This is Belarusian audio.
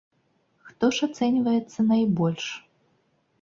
Хто ж ацэньваецца найбольш?